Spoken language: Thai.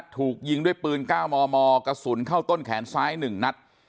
ถูกยิงด้วยปืนก้าวมอมอกระสุนเข้าต้นแขนซ้ายหนึ่งนัด